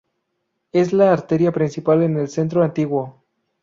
Es la arteria principal en el Centro Antiguo.